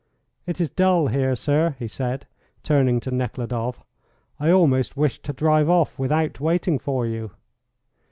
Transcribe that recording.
It is dull here, sir, he said, turning to Nekhludoff. "I almost wished to drive off without waiting for you."